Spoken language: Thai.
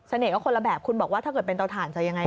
คนละแบบคุณบอกว่าถ้าเกิดเป็นเตาถ่านจะยังไง